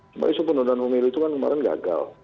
cuma isu penundaan pemilu itu kan kemarin gagal